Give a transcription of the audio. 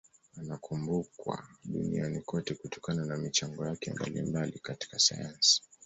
Anakumbukwa duniani kote kutokana na michango yake mbalimbali katika sayansi.